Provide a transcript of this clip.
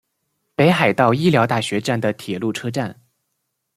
北海道医疗大学站的铁路车站。